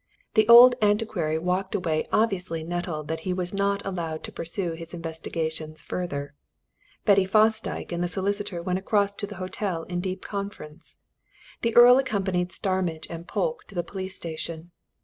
The old antiquary walked away obviously nettled that he was not allowed to pursue his investigations further; Betty Fosdyke and the solicitor went across to the hotel in deep conference; the Earl accompanied Starmidge and Polke to the police station.